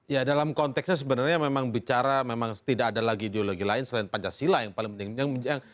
ya dalam konteksnya sebenarnya memang bicara memang tidak ada lagi ideologi lain selain pancasila yang paling penting